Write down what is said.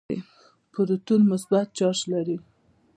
پروټون مثبت چارج لري.